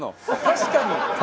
確かに。